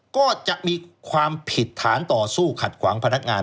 ก็จะมีความผิดฐานต่อสู้ขัดขวางพนักงาน